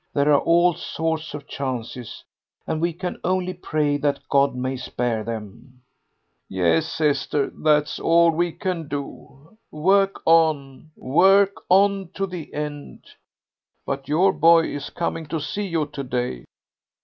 There are all sorts of chances, and we can only pray that God may spare them." "Yes, Esther, that's all we can do. Work on, work on to the end.... But your boy is coming to see you to day."